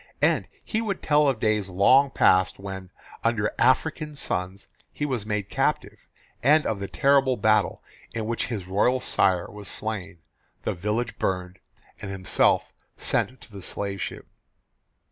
And he would tell of days long past when, under African suns, he was made captive, and of the terrible battle in which his royal sire was slain, the village burned, and himself sent to the slave ship.